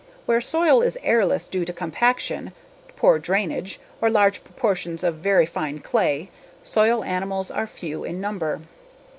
Where soil is airless due to compaction, poor drainage, or large proportions of very fine clay, soil animals are few in number.